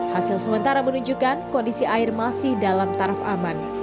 hasil sementara menunjukkan kondisi air masih dalam taraf aman